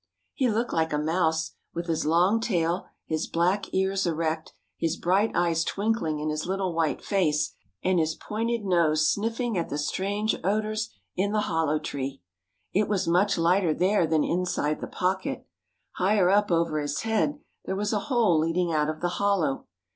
_] He looked like a mouse, with his long tail, his black ears erect, his bright eyes twinkling in his little white face, and his pointed nose sniffing at the strange odors in the hollow tree. It was much lighter there than inside the pocket. Higher up over his head there was a hole leading out of the hollow.